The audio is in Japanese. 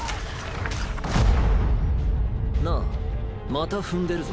また踏んでるぞ。